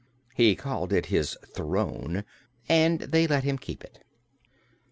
He called it his "throne" and they let him keep it.